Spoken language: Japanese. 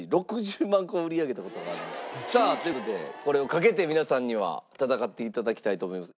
さあという事でこれをかけて皆さんには戦って頂きたいと思います。